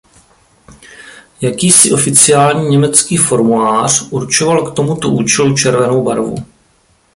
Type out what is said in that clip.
Jakýsi oficiální německý formulář určoval k tomuto účelu červenou barvu.